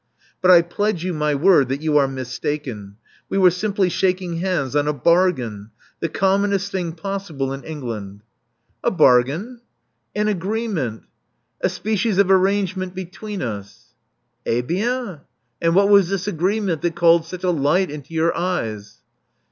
*' ''But I pledge you my word that you are mistaken. We were simply shaking hands on a bargain: the commonest thing possible in England. "A bargain?" Love Among the Artists 409 An agreement — a species of arrangement between US/' j£A bien! And what was this agreement that called such a light into your eyes?